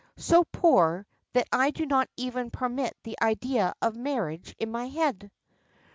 So poor, that I do not even permit the idea of marriage in my head."